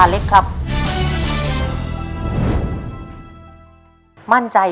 ตัวเลือกที่๔รสชนต้นไม้